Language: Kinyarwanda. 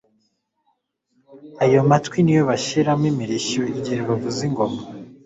ayo matwi niyo bashyiramo imirishyo igihe bavuza ingoma.